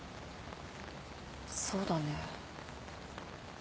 そうだね。